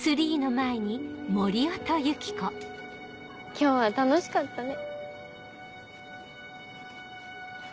今日は楽しかったね。